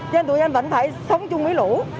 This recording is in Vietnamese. cho nên tụi em vẫn phải sống chung với lũ